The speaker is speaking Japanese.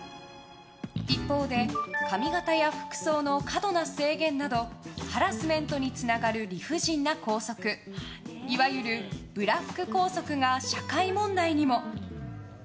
一方で髪形や服装の過度な制限などハラスメントにつながる理不尽な校則いわゆるブラック校則が社会問題にも。